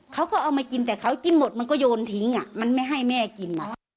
เขาก็เอามากินแต่เขากินหมดมันก็โยนทิ้งมันไม่ให้แม่กิน